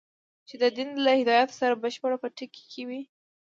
چې د دین له هدایاتو سره بشپړ په ټکر کې وي.